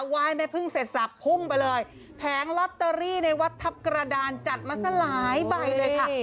แม่พึ่งเสร็จสับพุ่งไปเลยแผงลอตเตอรี่ในวัดทัพกระดานจัดมาซะหลายใบเลยค่ะ